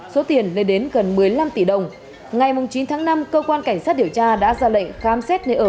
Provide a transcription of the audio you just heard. số tiền lên đến gần một mươi năm tỷ đồng ngày chín tháng năm cơ quan cảnh sát điều tra đã ra lệnh khám xét nơi ở